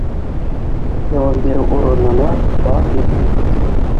Яуап биреү урынына ба- ИП